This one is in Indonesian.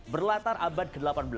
berlatar abad ke delapan belas